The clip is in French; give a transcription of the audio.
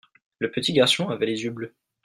le petit garçon avait les yeux bleus.